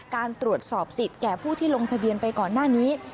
การตรวจสอบสิทธิ์แก่ผู้ที่ลงทะเบียนไปก่อนหน้านี้